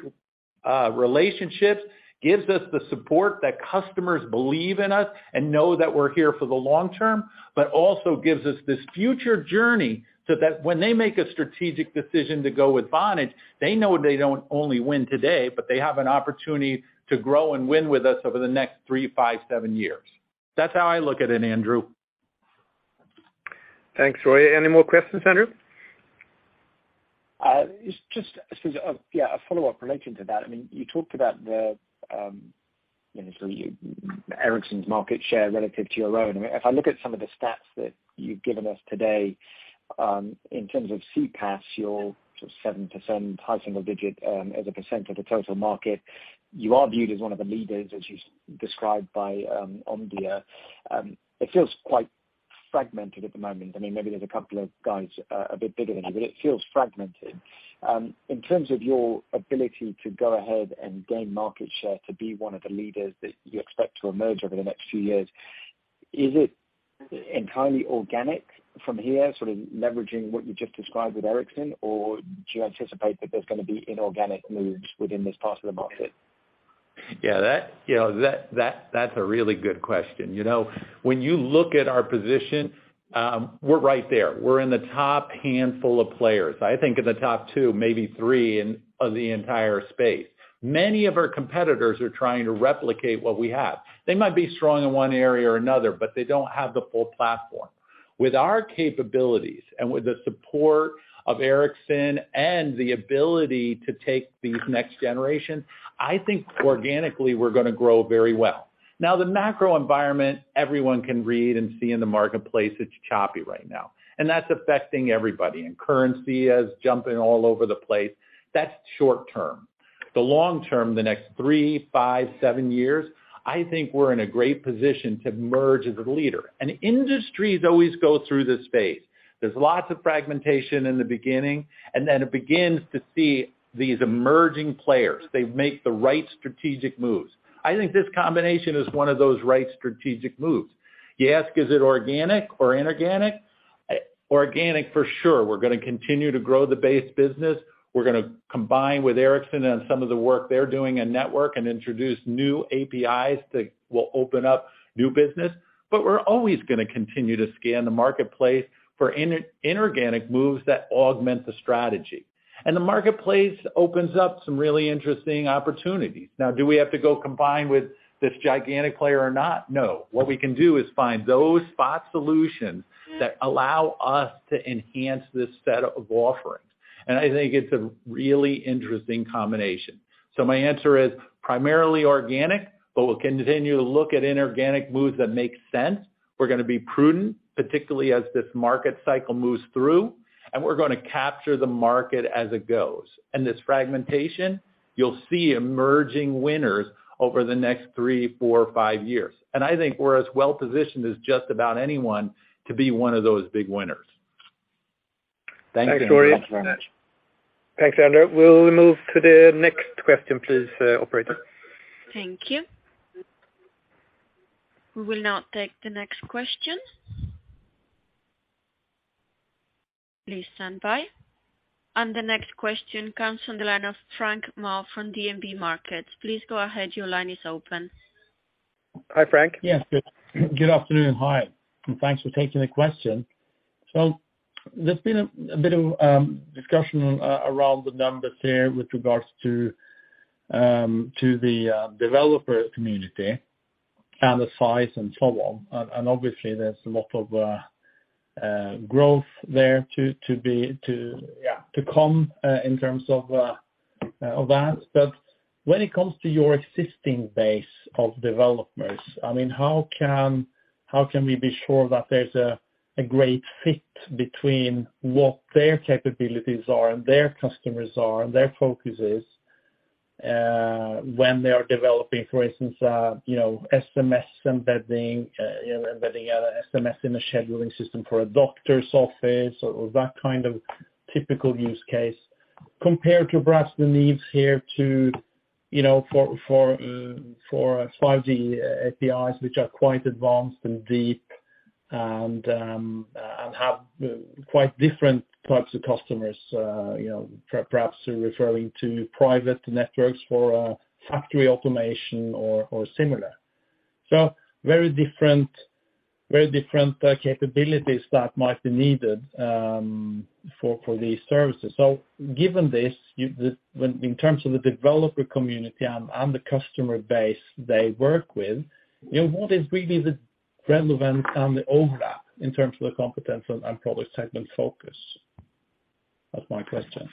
relationships, gives us the support that customers believe in us and know that we're here for the long term, but also gives us this future journey so that when they make a strategic decision to go with Vonage, they know they don't only win today, but they have an opportunity to grow and win with us over the next three, five, seven years. That's how I look at it, Andrew. Thanks, Rory. Any more questions, Andrew? It's a follow-up relating to that. I mean, you talked about the, you know, Ericsson's market share relative to your own. I mean, if I look at some of the stats that you've given us today, in terms of CCaaS, your sort of 7%, high single digit, as a percent of the total market, you are viewed as one of the leaders, as you described by Omdia. It feels quite fragmented at the moment. I mean, maybe there's a couple of guys a bit bigger than you, but it feels fragmented. In terms of your ability to go ahead and gain market share to be one of the leaders that you expect to emerge over the next few years, is it entirely organic from here, sort of leveraging what you just described with Ericsson, or do you anticipate that there's gonna be inorganic moves within this part of the market? Yeah, you know, that's a really good question. You know, when you look at our position, we're right there. We're in the top handful of players. I think in the top two, maybe three of the entire space. Many of our competitors are trying to replicate what we have. They might be strong in one area or another, but they don't have the full platform. With our capabilities and with the support of Ericsson and the ability to take these next generation, I think organically, we're gonna grow very well. Now, the macro environment, everyone can read and see in the marketplace, it's choppy right now, and that's affecting everybody. Currency is jumping all over the place. That's short term. The long term, the next three, five, seven years, I think we're in a great position to emerge as a leader. Industries always go through this phase. There's lots of fragmentation in the beginning, and then it begins to see these emerging players. They make the right strategic moves. I think this combination is one of those right strategic moves. You ask, is it organic or inorganic? Organic, for sure. We're gonna continue to grow the base business. We're gonna combine with Ericsson and some of the work they're doing in network and introduce new APIs that will open up new business. But we're always gonna continue to scan the marketplace for inorganic moves that augment the strategy. The marketplace opens up some really interesting opportunities. Now, do we have to go combine with this gigantic player or not? No. What we can do is find those spot solutions that allow us to enhance this set of offerings. I think it's a really interesting combination. My answer is primarily organic, but we'll continue to look at inorganic moves that make sense. We're gonna be prudent, particularly as this market cycle moves through, and we're gonna capture the market as it goes. This fragmentation, you'll see emerging winners over the next three, four, five years. I think we're as well-positioned as just about anyone to be one of those big winners. Thanks, Andrew. Thanks very much. Thanks, Andrew. We'll move to the next question please, operator. Thank you. We will now take the next question. Please stand by. The next question comes from the line of Frank Maaø from DNB Markets. Please go ahead. Your line is open. Hi, Frank. Yes. Good afternoon. Hi, and thanks for taking the question. There's been a bit of discussion around the numbers here with regards to the developer community and the size and so on. Obviously, there's a lot of growth there. Yeah... to come in terms of of that. When it comes to your existing base of developers, I mean, how can we be sure that there's a great fit between what their capabilities are and their customers are and their focus is, when they are developing, for instance, you know, SMS embedding, you know, embedding a SMS in a scheduling system for a doctor's office or that kind of typical use case, compared to perhaps the needs here to, you know, for 5G APIs which are quite advanced and deep and and have quite different types of customers, you know, perhaps you're referring to private networks for factory automation or similar. Very different capabilities that might be needed for these services. Given this, you the In terms of the developer community and the customer base they work with, you know, what is really the relevance and the overlap in terms of the competence and product segment focus? That's my question.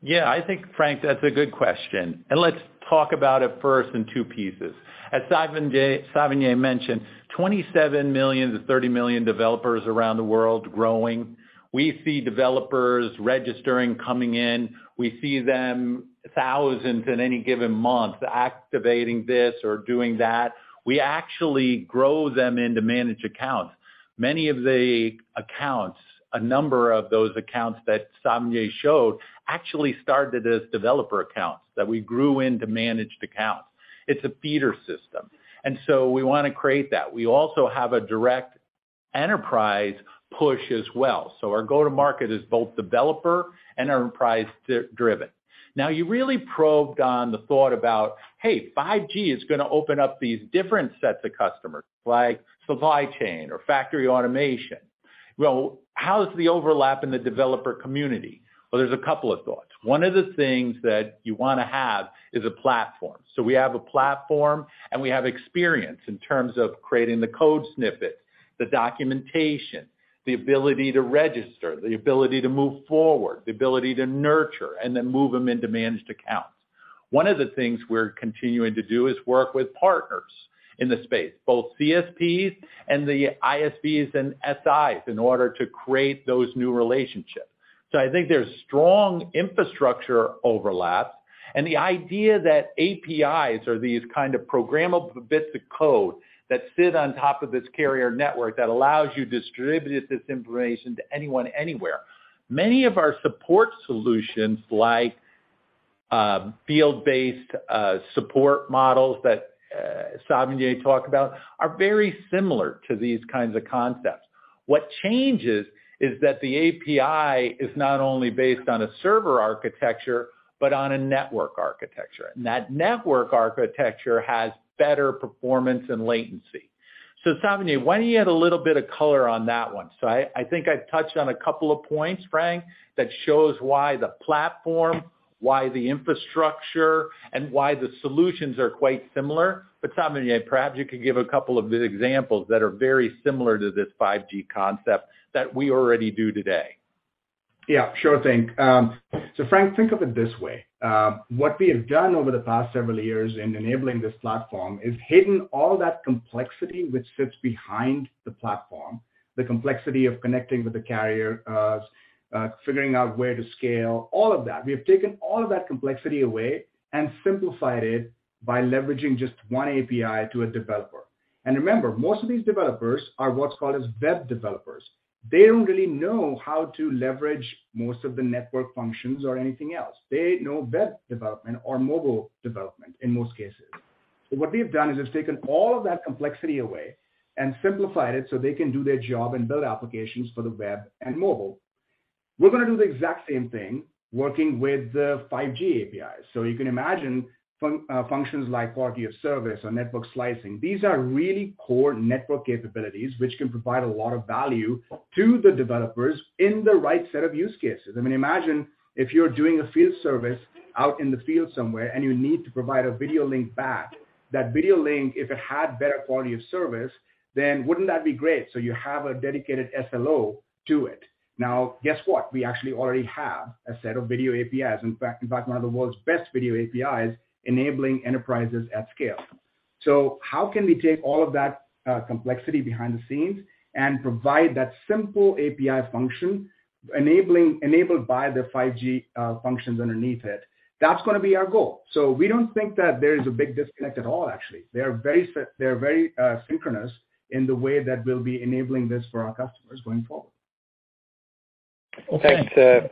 Yeah. I think, Frank, that's a good question. Let's talk about it first in two pieces. As Savinay Berry mentioned, 27 million-30 million developers around the world growing. We see developers registering, coming in. We see them, thousands in any given month, activating this or doing that. We actually grow them into managed accounts. Many of the accounts, a number of those accounts that Savinay Berry showed actually started as developer accounts that we grew into managed accounts. It's a feeder system. We wanna create that. We also have a direct enterprise push as well. Our go-to-market is both developer and enterprise-driven. Now, you really probed on the thought about, "Hey, 5G is gonna open up these different sets of customers, like supply chain or factory automation. Well, how is the overlap in the developer community?" Well, there's a couple of thoughts. One of the things that you wanna have is a platform. We have a platform, and we have experience in terms of creating the code snippet, the documentation, the ability to register, the ability to move forward, the ability to nurture and then move them into managed accounts. One of the things we're continuing to do is work with partners in the space, both CSPs and the ISVs and SIs in order to create those new relationships. I think there's strong infrastructure overlap, and the idea that APIs are these kind of programmable bits of code that sit on top of this carrier network that allows you to distribute this information to anyone, anywhere. Many of our support solutions, like field-based support models that Savinay talked about, are very similar to these kinds of concepts. What changes is that the API is not only based on a server architecture but on a network architecture. That network architecture has better performance and latency. Savinay, why don't you add a little bit of color on that one? I think I've touched on a couple of points, Frank, that shows why the platform, why the infrastructure, and why the solutions are quite similar. Savinay, perhaps you could give a couple of the examples that are very similar to this 5G concept that we already do today. Yeah. Sure thing. Frank, think of it this way. What we have done over the past several years in enabling this platform is hidden all that complexity which sits behind the platform, the complexity of connecting with the carrier, figuring out where to scale, all of that. We have taken all of that complexity away and simplified it by leveraging just one API to a developer. Remember, most of these developers are what's called as web developers. They don't really know how to leverage most of the network functions or anything else. They know web development or mobile development in most cases. What they've done is just taken all of that complexity away and simplified it so they can do their job and build applications for the web and mobile. We're gonna do the exact same thing working with the 5G APIs. You can imagine functions like quality of service or network slicing. These are really core network capabilities which can provide a lot of value to the developers in the right set of use cases. I mean, imagine if you're doing a field service out in the field somewhere, and you need to provide a video link back. That video link, if it had better quality of service, then wouldn't that be great? You have a dedicated SLO to it. Now, guess what? We actually already have a set of video APIs. In fact, one of the world's best video APIs, enabling enterprises at scale. How can we take all of that, complexity behind the scenes and provide that simple API function enabled by the 5G functions underneath it? That's gonna be our goal. We don't think that there is a big disconnect at all, actually. They're very synchronous in the way that we'll be enabling this for our customers going forward. Okay.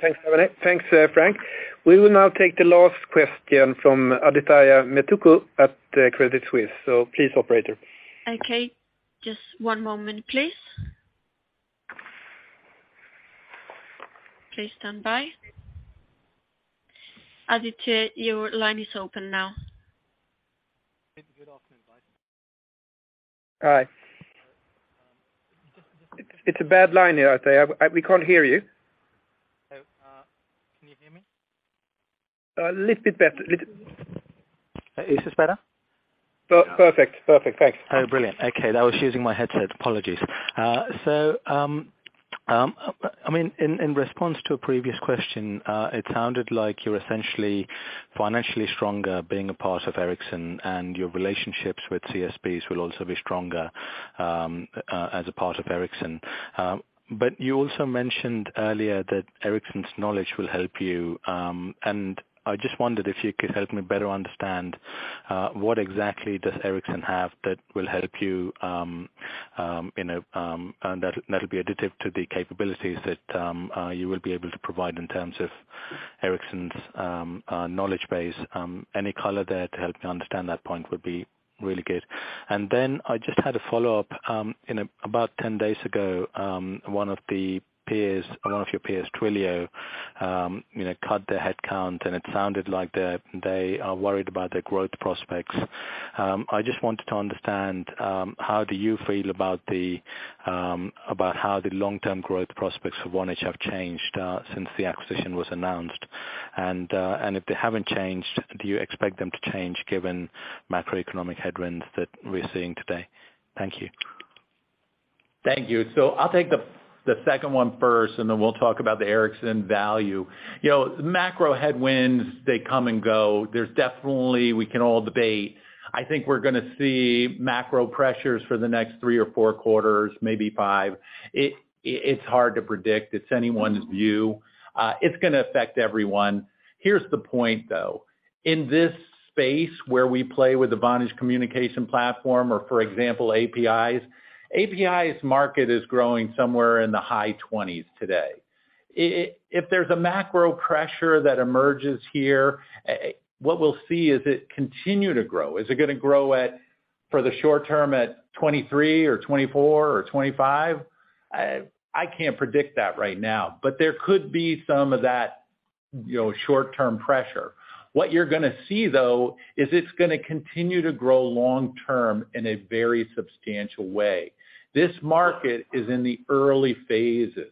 Thanks, Avaneesh. Thanks, Frank. We will now take the last question from Adithya Metuku at Credit Suisse. Please, operator. Okay. Just one moment, please. Please stand by. Adithya, your line is open now. Good afternoon, guys. Hi. It's a bad line here, Adithya. We can't hear you. Can you hear me? A little bit better. Is this better? Perfect. Thanks. Oh, brilliant. Okay. That was using my headset. Apologies. I mean, in response to a previous question, it sounded like you're essentially financially stronger being a part of Ericsson and your relationships with CSPs will also be stronger as a part of Ericsson. You also mentioned earlier that Ericsson's knowledge will help you. I just wondered if you could help me better understand what exactly does Ericsson have that will help you and that'll be additive to the capabilities that you will be able to provide in terms of Ericsson's knowledge base. Any color there to help me understand that point would be really good. I just had a follow-up, you know, about 10 days ago, one of the peers or one of your peers, Twilio, you know, cut their headcount, and it sounded like they are worried about their growth prospects. I just wanted to understand, how do you feel about the, about how the long-term growth prospects for Vonage have changed, since the acquisition was announced? And if they haven't changed, do you expect them to change given macroeconomic headwinds that we're seeing today? Thank you. Thank you. I'll take the second one first, and then we'll talk about the Ericsson value. You know, macro headwinds, they come and go. There's definitely. We can all debate. I think we're gonna see macro pressures for the next three or four quarters, maybe five. It's hard to predict. It's anyone's view. It's gonna affect everyone. Here's the point, though. In this space where we play with the Vonage Communications Platform or for example, APIs, API market is growing somewhere in the high 20s% today. If there's a macro pressure that emerges here, what we'll see is it continue to grow. Is it gonna grow at, for the short term at 23% or 24% or 25%? I can't predict that right now, but there could be some of that, you know, short-term pressure. What you're gonna see, though, is it's gonna continue to grow long-term in a very substantial way. This market is in the early phases.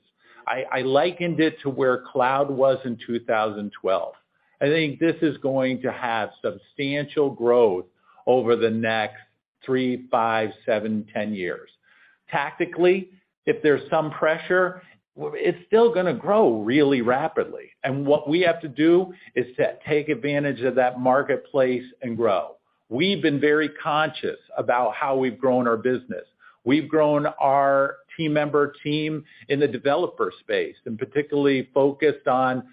I likened it to where cloud was in 2012. I think this is going to have substantial growth over the next three, five, seven, 10 years. Tactically, if there's some pressure, it's still gonna grow really rapidly. What we have to do is to take advantage of that marketplace and grow. We've been very conscious about how we've grown our business. We've grown our team in the developer space, and particularly focused on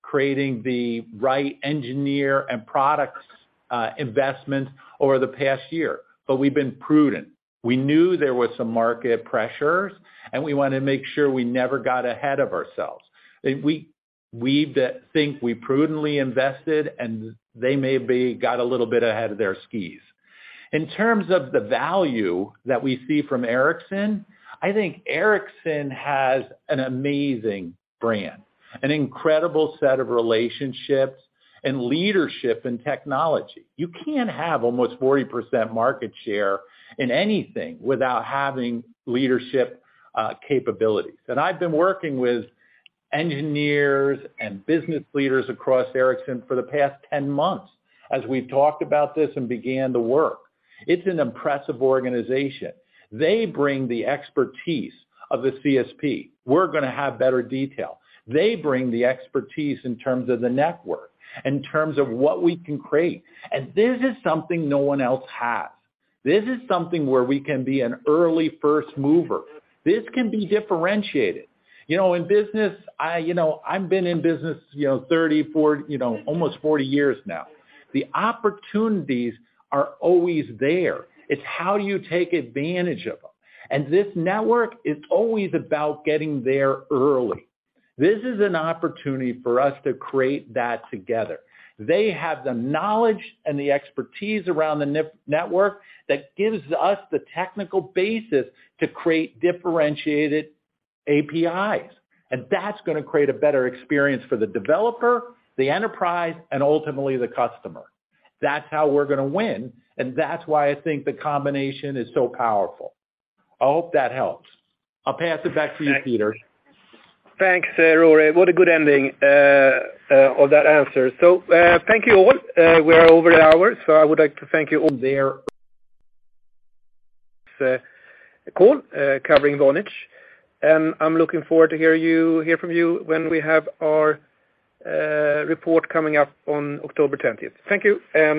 creating the right engineer and products, investments over the past year, but we've been prudent. We knew there was some market pressures, and we wanna make sure we never got ahead of ourselves. We think we prudently invested, and they maybe got a little bit ahead of their skis. In terms of the value that we see from Ericsson, I think Ericsson has an amazing brand, an incredible set of relationships and leadership and technology. You can't have almost 40% market share in anything without having leadership capabilities. I've been working with engineers and business leaders across Ericsson for the past 10 months as we've talked about this and began the work. It's an impressive organization. They bring the expertise of a CSP. We're gonna have better detail. They bring the expertise in terms of the network, in terms of what we can create. This is something no one else has. This is something where we can be an early first mover. This can be differentiated. You know, in business, I you know. I've been in business, you know, 30, 40, you know, almost 40 years now. The opportunities are always there. It's how you take advantage of them. This network is always about getting there early. This is an opportunity for us to create that together. They have the knowledge and the expertise around the network that gives us the technical basis to create differentiated APIs. That's gonna create a better experience for the developer, the enterprise, and ultimately, the customer. That's how we're gonna win, and that's why I think the combination is so powerful. I hope that helps. I'll pass it back to you, Peter. Thanks, Rory. What a good ending on that answer. Thank you all. We are over an hour, so I would like to thank you all there. It's a call covering Vonage. I'm looking forward to hear from you when we have our report coming up on October twentieth. Thank you, and bye-bye.